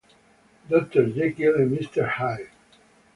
Dr. Jekyll e Mr. Hyde